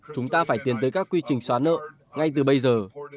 chúng ta phải tiến tới các quy trình xóa nợ ngay từ bây giờ